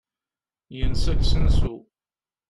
Yensa deg usensu.